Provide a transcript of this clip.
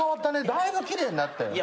だいぶ奇麗になったよね。